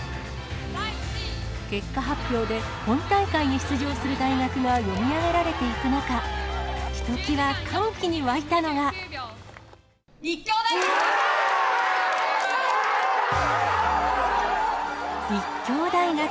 結果発表で本大会に出場する大学が読み上げられていく中、ひとき立教大学。